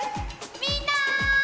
みんな！